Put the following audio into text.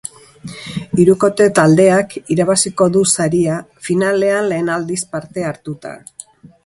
Hirukote taldeak irabaziko du saria finalean lehen aldiz parte hartuta.